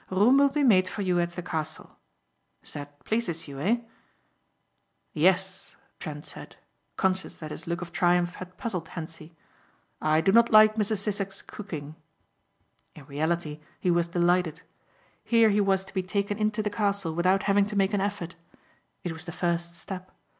Room will be made for you at the Castle. That pleases you, eh?" "Yes," Trent said, conscious that his look of triumph had puzzled Hentzi. "I do not like Mrs. Sissek's cooking." In reality he was delighted. Here he was to be taken into the Castle without having to make an effort. It was the first step.